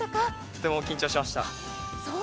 とても緊張しました。